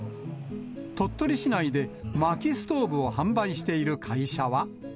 鳥取市内で、まきストーブを販売している会社は。